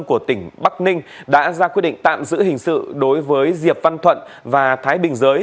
của tỉnh bắc ninh đã ra quyết định tạm giữ hình sự đối với diệp văn thuận và thái bình giới